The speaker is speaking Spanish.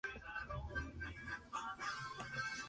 Lo oral tiene una limitación temporal que no tiene la escritura.